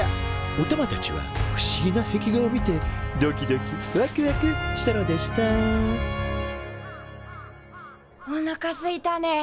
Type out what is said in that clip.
おたまたちは不思議な壁画を見てドキドキワクワクしたのでしたおなかすいたね。